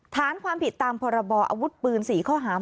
ฐานความผิดตามพรบออาวุธปืน๔ข้อหา